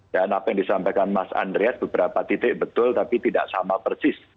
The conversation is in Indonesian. dan apa yang disampaikan mas andres beberapa titik betul tapi tidak sama persis